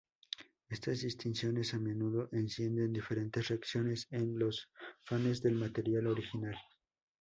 Estas distinciones a menudo encienden diferentes reacciones en los fanes del material original.